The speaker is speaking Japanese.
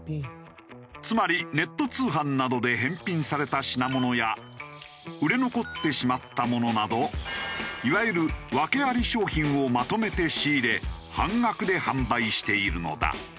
つまりネット通販などで返品された品物や売れ残ってしまったものなどいわゆるワケあり商品をまとめて仕入れ半額で販売しているのだ。